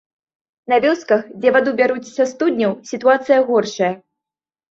На вёсках, дзе ваду бяруць са студняў, сітуацыя горшая.